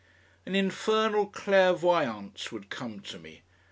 An infernal clairvoyance would come to me.